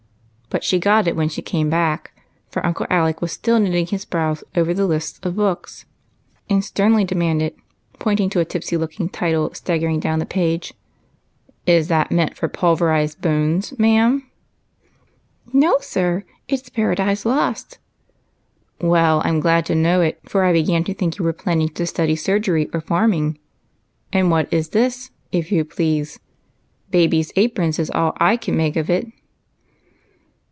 But she got it when she came back, for Uncle Alec was still knitting his brows over the list of books, and sternly demanded, pointing to a tipsy looking title staggering down the page, — AND WHAT CAME OF IT. 85 " Is that meant for ' Pulverized Bones,' ma'am ?"" No, sir ; it 's ' Paradise Lost.' "" Well, I 'm glad to know it, for I began to think you were planning to study surgery or farming. And what is this, if you jjlease ?' Babies' Aprons ' is all 1 can make of it."